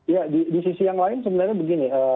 ya di sisi yang lain sebenarnya begini